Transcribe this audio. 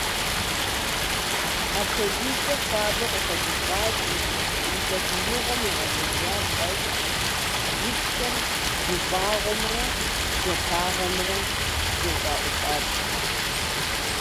Апхуэдизкӏэ хуабэу къыхуэгуфӏати, и сабиигъуэм игъэзэжа фӏэщӏу, и псэр гуфӏэгъуэмрэ гуапагъэмрэ зэщӏаӏулӏат.